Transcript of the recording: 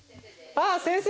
あっ先生。